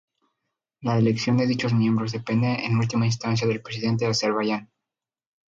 La elección de dichos miembros depende en última instancia del presidente de Azerbaiyán.